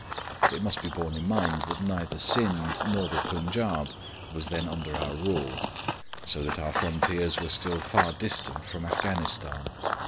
It must be borne in mind that neither Scinde nor the Punjaub was then under our rule, so that our frontiers were still far distant from Afghanistan.